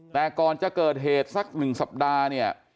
แต่ก่อนจะเกิดเหตุสัก๑สัปดาห์เนี่ย